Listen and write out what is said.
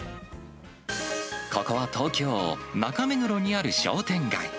ここは東京・中目黒にある商店街。